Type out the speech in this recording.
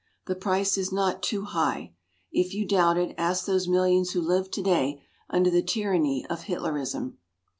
The price is not too high. If you doubt it, ask those millions who live today under the tyranny of Hitlerism.